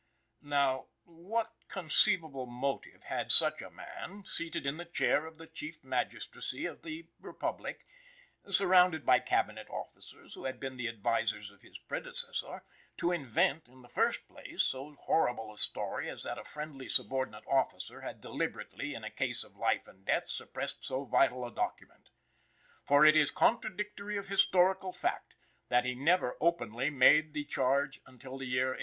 Now, what conceivable motive had such a man, seated in the chair of the Chief Magistracy of this republic, surrounded by Cabinet officers who had been the advisers of his predecessor, to invent, in the first place, so horrible a story as that a friendly subordinate officer had deliberately, in a case of life and death, suppressed so vital a document? For it is contradictory of historical fact, that he never openly made the charge until the year 1873.